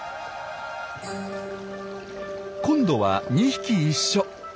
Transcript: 今度は２匹一緒。